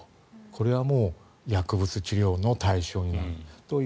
これは薬物治療の対象になると。